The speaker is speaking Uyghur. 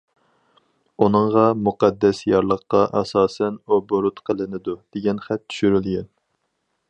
ئۇنىڭغا‹‹ مۇقەددەس يارلىققا ئاساسەن ئوبوروت قىلىنىدۇ›› دېگەن خەت چۈشۈرۈلگەن.